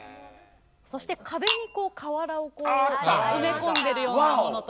そして壁に瓦を埋め込んでるようなものとかね。